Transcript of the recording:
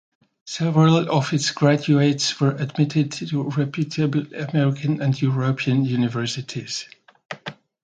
Several of its graduates were admitted to reputable American and European Universities.